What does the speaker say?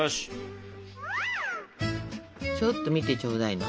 ちょっと見てちょうだいな。